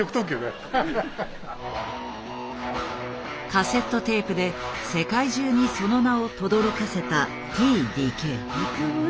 カセットテープで世界中にその名をとどろかせたＴ・ＤＫ。